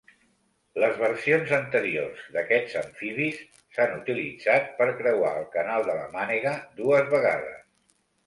Les versions anteriors d'aquests amfibis s'han utilitzat per creuar el Canal de la Mànega dues vegades.